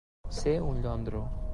Ser un llondro.